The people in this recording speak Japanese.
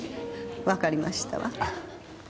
わかりましたわ。